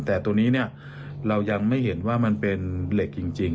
แต่ตัวนี้เรายังไม่เห็นว่ามันเป็นเหล็กจริง